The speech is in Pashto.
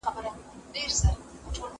چېري ناروغان کولای سي وړیا درملنه ترلاسه کړي؟